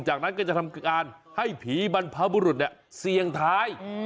จากนั้นก็จะทำการให้ผีบรรพบุรุษเสี่ยงท้าย